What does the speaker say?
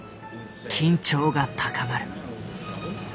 緊張が高まる。